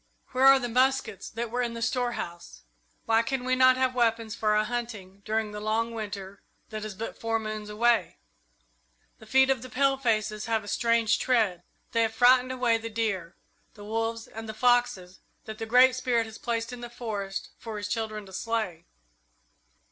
Where are the muskets that were in the storehouse? Why can we not have weapons for our hunting during the long Winter that is but four moons away? "The feet of the palefaces have a strange tread. They have frightened away the deer, the wolves, and the foxes that the Great Spirit has placed in the forest for his children to slay.